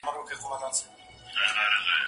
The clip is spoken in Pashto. نن محتسب له خپل کتابه بندیز ولګاوه